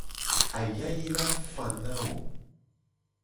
Ayayi la fa na wo.